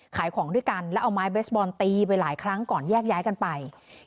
ขายของด้วยกันแล้วเอาไม้เบสบอลตีไปหลายครั้งก่อนแยกย้ายกันไป